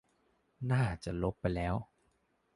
น่าจะลบไปแล้ว